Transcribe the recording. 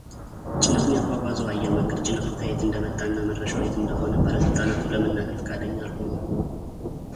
ጭነቱን ያጓጓዘው አየር መንገድ ጭነቱ ከየት እንደመጣና መድረሻው የት እንደሆነም ባለስልጣናቱ ለመናገር ፈቃደኛ አልሆኑም።